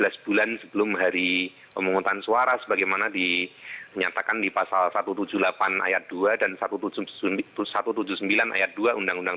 sebulan sebelum hari pemungutan suara sebagaimana dinyatakan di pasal satu ratus tujuh puluh delapan ayat dua dan satu ratus tujuh puluh sembilan ayat dua undang undang tujuh dua ribu tujuh belas